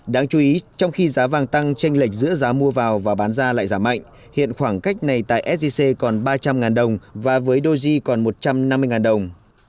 đáng chú ý trong khi giá vàng tăng tranh lệch giữa giá mua vào và bán ra lại giảm mạnh hiện khoảng cách này tại sgc còn ba trăm linh đồng và với doji còn một trăm năm mươi đồng